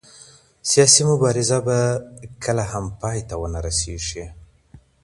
سياسي مبارزه به کله هم پای ته ونه رسېږي.